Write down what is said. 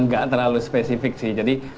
nggak terlalu spesifik sih jadi